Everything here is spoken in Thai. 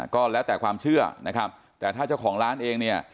ก็แล้วแต่ความเชื่อนะครับแต่ถ้าเจ้าของร้านเองเนี่ย